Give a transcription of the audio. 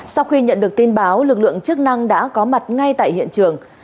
sau khi nhận được tin báo lực lượng chức năng đã có mặt ngay tại hiện trường